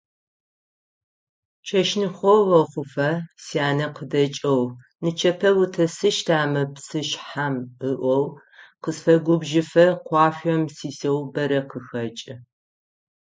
Чэщныкъо охъуфэ, сянэ къыдэкӀэу «нычэпэ утесыщта мы псышъхьэм» ыӀоу, къысфэгубжыфэ къуашъом сисэу бэрэ къыхэкӀы.